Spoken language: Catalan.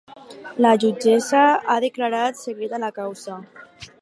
La jutgessa ha declarat secreta la causa.